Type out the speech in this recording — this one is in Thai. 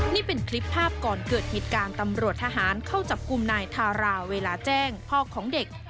นี่เป็นคลิปภาพก่อนเกิดเหตุการณ์ตำรวจทหารเข้าจับกลุ่มนายทาราเวลาแจ้งพ่อของเด็ก